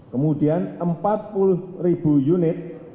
kemudian empat puluh ribu unit